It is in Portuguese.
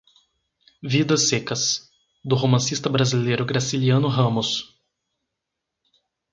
Vidas Secas, do romancista brasileiro Graciliano Ramos